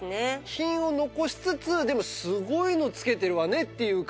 品を残しつつでもすごいの着けてるわねっていう感じね。